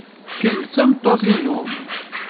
Kemm d tameṭṭut-inu.